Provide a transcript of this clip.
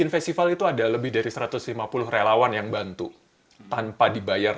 jika memiliki informasi perkara important dan